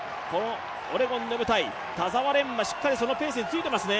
オレゴンの舞台、田澤廉はしっかりこのペースについていますね。